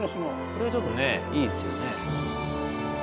これはちょっとねいいですよね。